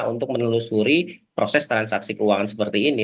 untuk menelusuri proses transaksi keuangan seperti ini